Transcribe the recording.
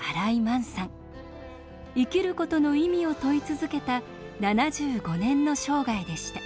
生きることの意味を問い続けた７５年の生涯でした。